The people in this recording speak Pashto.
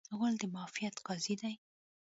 غول د معافیت قاضي دی.